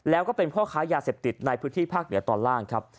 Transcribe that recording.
แล้วก็เป็นพ่อค้ายาเสพติดในพื้นที่ภาคเหนือตอนล่างครับ